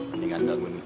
ini kan lagu ini